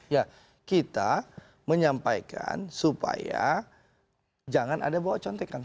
ya kita menyampaikan supaya jangan ada bawa contekan